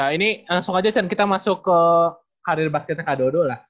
ya ini langsung aja chan kita masuk ke karir basket nya kak dodo lah